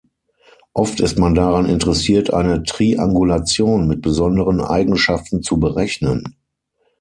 Oft ist man daran interessiert, eine Triangulation mit besonderen Eigenschaften zu berechnen.